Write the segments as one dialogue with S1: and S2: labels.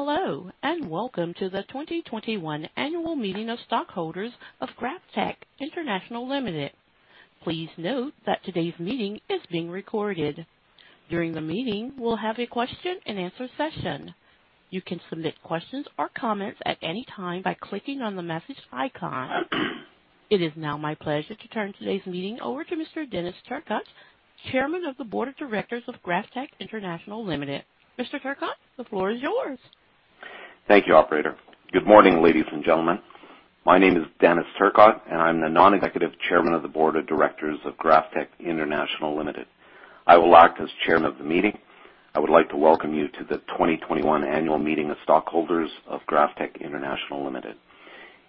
S1: Hello, and welcome to the 2021 annual meeting of stockholders of GrafTech International Ltd. Please note that today's meeting is being recorded. During the meeting, we'll have a question-and-answer session. You can submit questions or comments at any time by clicking on the message icon. It is now my pleasure to turn today's meeting over to Mr. Denis Turcotte, Chairman of the Board of Directors of GrafTech International Ltd. Mr. Turcotte, the floor is yours.
S2: Thank you, operator. Good morning, ladies and gentlemen. My name is Denis Turcotte, and I'm the Non-Executive Chairman of the Board of Directors of GrafTech International Ltd. I will act as Chairman of the meeting. I would like to welcome you to the 2021 annual meeting of stockholders of GrafTech International Ltd.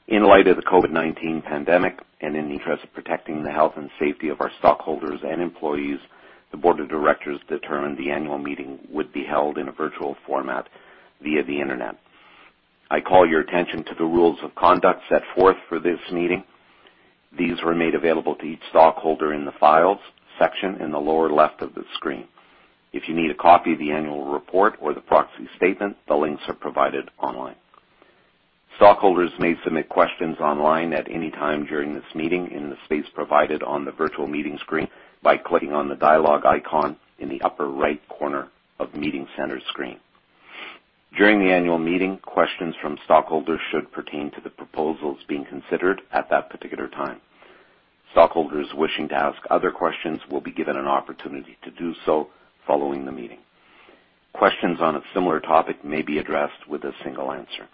S2: In light of the COVID-19 pandemic, and in the interest of protecting the health and safety of our stockholders and employees, the Board of Directors determined the annual meeting would be held in a virtual format via the internet. I call your attention to the rules of conduct set forth for this meeting. These were made available to each stockholder in the Files section in the lower left of the screen. If you need a copy of the annual report or the proxy statement, the links are provided online. Stockholders may submit questions online at any time during this meeting in the space provided on the virtual meeting screen by clicking on the dialogue icon in the upper right corner of the meeting center screen. During the annual meeting, questions from stockholders should pertain to the proposals being considered at that particular time. Stockholders wishing to ask other questions will be given an opportunity to do so following the meeting. Questions on a similar topic may be addressed with a single answer.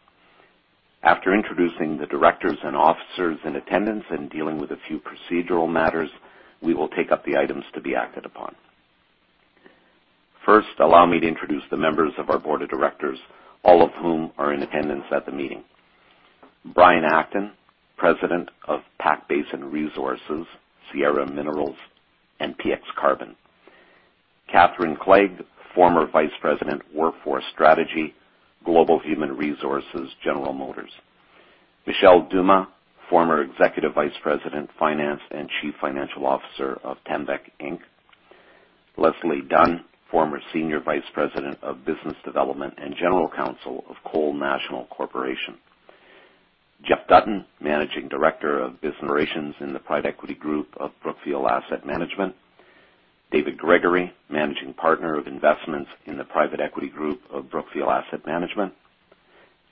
S2: After introducing the directors and officers in attendance and dealing with a few procedural matters, we will take up the items to be acted upon. First, allow me to introduce the members of our Board of Directors, all of whom are in attendance at the meeting. Brian Acton, President of Pac Basin Resources, Sierra Minerals, and PX Carbon. Catherine Clegg, former Vice President, Workforce Strategy, Global Human Resources, General Motors. Michel Dumas, former Executive Vice President, Finance and Chief Financial Officer of Tembec, Inc. Leslie Dunn, former Senior Vice President of Business Development and General Counsel of Cole National Corporation. Jeff Dutton, Managing Director of Business Operations in the private equity group of Brookfield Asset Management. David Gregory, Managing Partner of Investments in the private equity group of Brookfield Asset Management.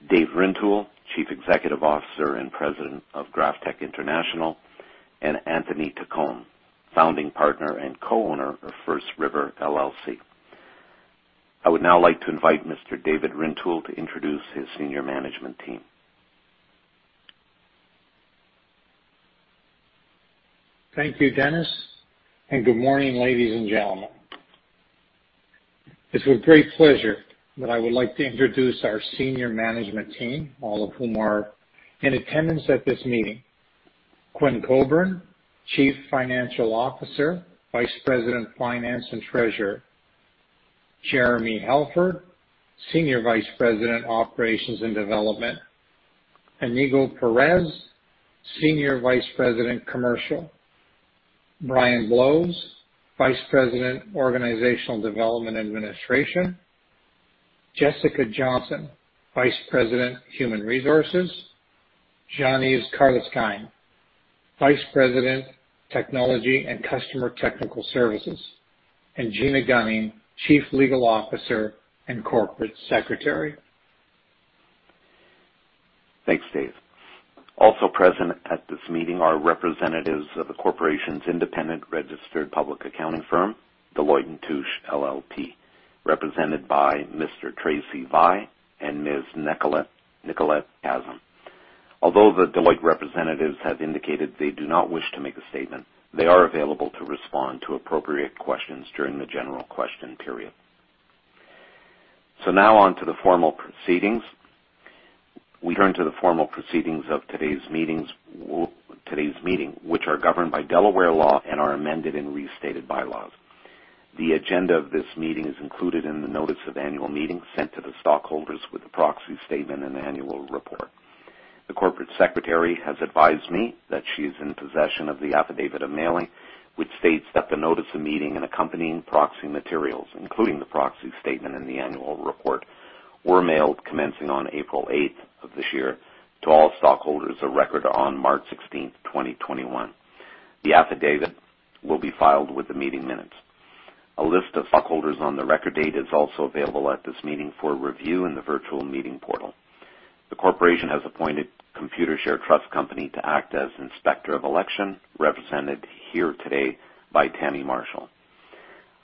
S2: Dave Rintoul, Chief Executive Officer and President of GrafTech International, and Anthony Taccone, Founding Partner and Co-Owner of First River LLC. I would now like to invite Mr. David Rintoul to introduce his senior management team.
S3: Thank you, Denis, and good morning, ladies and gentlemen. It's with great pleasure that I would like to introduce our Senior Management Team, all of whom are in attendance at this meeting. Quinn Coburn, Chief Financial Officer, Vice President of Finance and Treasurer. Jeremy Halford, Senior Vice President, Operations and Development. Iñigo Perez, Senior Vice President, Commercial. Brian Blowes, Vice President, Organizational Development Administration. Jessica Johnson, Vice President, Human Resources. Jean-Yves Karleskind, Vice President, Technology and Customer Technical Services, and Gina Gunning, Chief Legal Officer and Corporate Secretary.
S2: Thanks, Dave. Also present at this meeting are representatives of the corporation's independent registered public accounting firm, Deloitte & Touche LLP, represented by Mr. Tracy Vigh and Ms. Nicolette Qasem. Although the Deloitte representatives have indicated they do not wish to make a statement, they are available to respond to appropriate questions during the general question period. Now on to the formal proceedings. We turn to the formal proceedings of today's meeting, which are governed by Delaware law and our amended and restated bylaws. The agenda of this meeting is included in the notice of annual meeting sent to the stockholders with the proxy statement and the annual report. The corporate secretary has advised me that she is in possession of the affidavit of mailing, which states that the notice of meeting and accompanying proxy materials, including the proxy statement and the annual report, were mailed commencing on April 8th of this year to all stockholders of record on March 16th, 2021. The affidavit will be filed with the meeting minutes. A list of stockholders on the record date is also available at this meeting for review in the virtual meeting portal. The corporation has appointed Computershare Trust Company to act as inspector of election, represented here today by Tammie Marshall.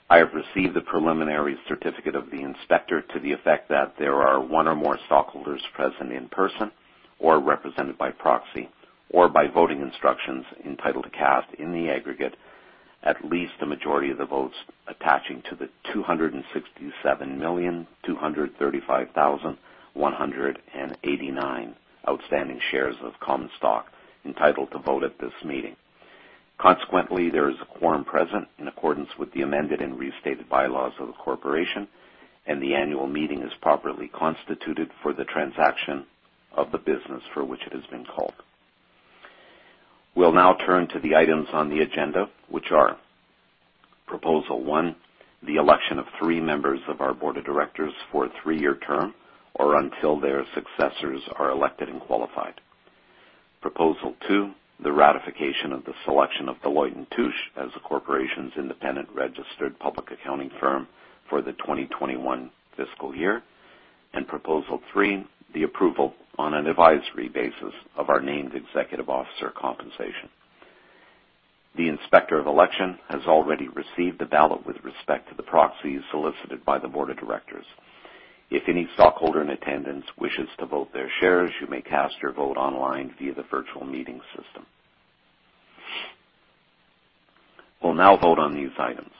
S2: I have received the preliminary certificate of the inspector to the effect that there are one or more stockholders present in person or represented by proxy or by voting instructions entitled to cast in the aggregate at least a majority of the votes attaching to the 267,235,189 outstanding shares of common stock entitled to vote at this meeting. Consequently, there is a quorum present in accordance with the amended and restated bylaws of the corporation, and the annual meeting is properly constituted for the transaction of the business for which it has been called. We'll now turn to the items on the agenda, which are, Proposal 1, the election of three members of our Board of Directors for a three-year term, or until their successors are elected and qualified. Proposal 2, the ratification of the selection of Deloitte & Touche as the corporation's independent registered public accounting firm for the 2021 fiscal year. Proposal 3, the approval on an advisory basis of our named executive officer compensation. The Inspector of Election has already received the ballot with respect to the proxies solicited by the Board of Directors. If any stockholder in attendance wishes to vote their shares, you may cast your vote online via the virtual meeting system. We'll now vote on these items.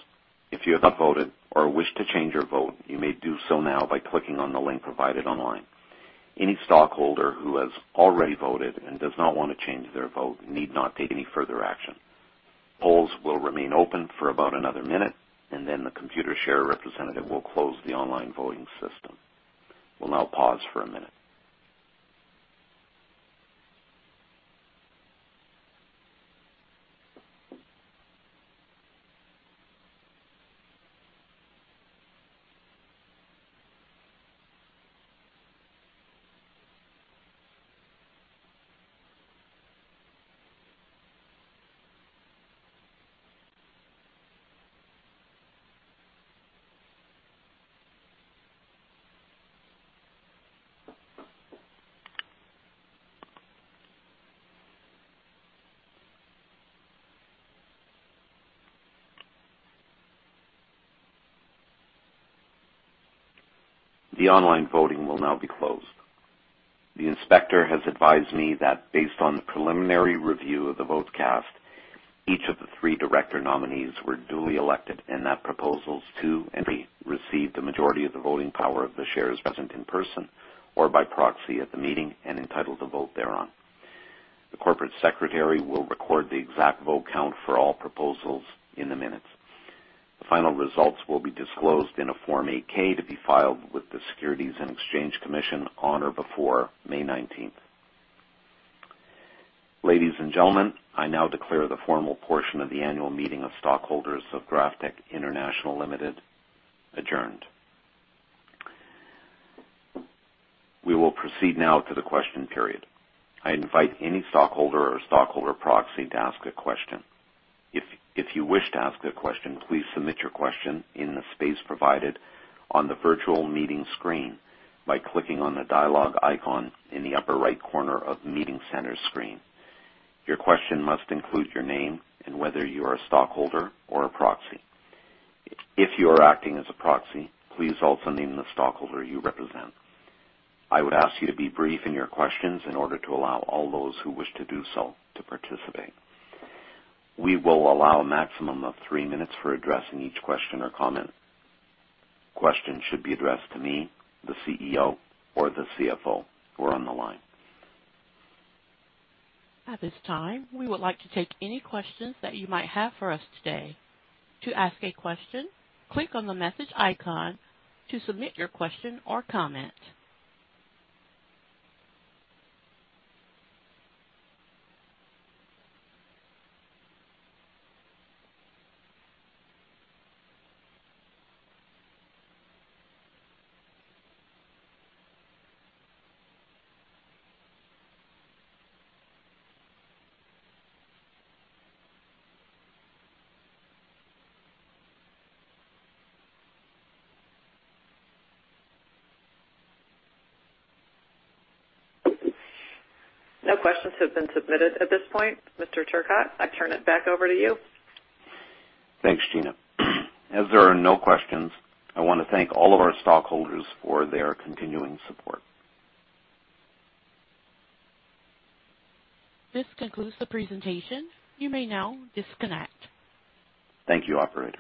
S2: If you have not voted or wish to change your vote, you may do so now by clicking on the link provided online. Any stockholder who has already voted and does not want to change their vote need not take any further action. Polls will remain open for about another minute, and then the Computershare representative will close the online voting system. We'll now pause for a minute. The online voting will now be closed. The inspector has advised me that based on the preliminary review of the votes cast, each of the three director nominees were duly elected and that proposals two and three received the majority of the voting power of the shares present in person or by proxy at the meeting and entitled to vote thereon. The corporate secretary will record the exact vote count for all proposals in the minutes. The final results will be disclosed in a Form 8-K to be filed with the Securities and Exchange Commission on or before May 19th. Ladies and gentlemen, I now declare the formal portion of the annual meeting of stockholders of GrafTech International Ltd. adjourned. We will proceed now to the question period. I invite any stockholder or stockholder proxy to ask a question. If you wish to ask a question, please submit your question in the space provided on the virtual meeting screen by clicking on the dialogue icon in the upper right corner of the meeting center screen. Your question must include your name and whether you are a stockholder or a proxy. If you are acting as a proxy, please also name the stockholder you represent. I would ask you to be brief in your questions in order to allow all those who wish to do so to participate. We will allow a maximum of three minutes for addressing each question or comment. Questions should be addressed to me, the CEO, or the CFO, who are on the line.
S1: At this time, we would like to take any questions that you might have for us today. To ask a question, click on the message icon to submit your question or comment.
S4: No questions have been submitted at this point. Mr. Turcotte, I turn it back over to you.
S2: Thanks, Gina. As there are no questions, I want to thank all of our stockholders for their continuing support.
S1: This concludes the presentation. You may now disconnect.
S2: Thank you, operator.